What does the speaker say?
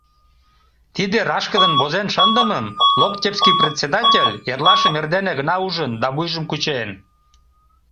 Тиде рашкыдын возен шындымым локтевский председатель эрлашым эрдене гына ужын да вуйжым кучен.